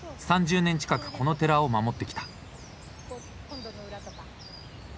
３０年近くこの寺を守ってきた。